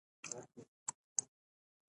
ښځي بايد په پوهي و نازول سي